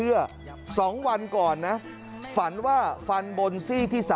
คือนางหาเรียกคุณพรศักดิ์ว่าพรสั้นแบบนี้นะฮะ